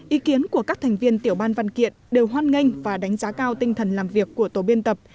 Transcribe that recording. ý kiến của các thành viên tiểu ban văn kiện đều hoan nghênh và đánh giá cao tinh thần làm việc của tổ biên tập